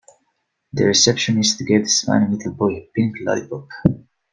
The receptionist gave the smiling little boy a pink lollipop.